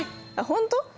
本当？